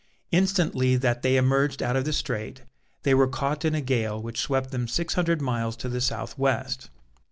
Instantly that they emerged out of the Strait, they were caught in a gale which swept them six hundred miles to the south west.